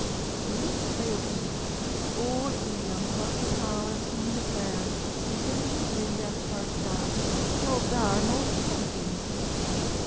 They used to say of him: 'Oul Illiam has the power at him in the prayer, and he is a middlin' despard fella; he will dar' most anything.'